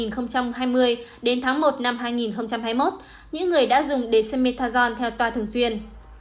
nhóm hai gồm một ba trăm bảy mươi hai người được nhập từ tháng một mươi một năm hai nghìn hai mươi một những người đã dùng dexamethasone theo toa thường xuyên